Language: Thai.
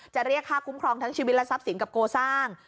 เรียกค่าคุ้มครองทั้งชีวิตและทรัพย์สินกับโกสร้าง